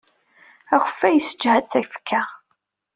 Akeffay yessejhad tafekka.